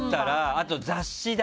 あと雑誌だ！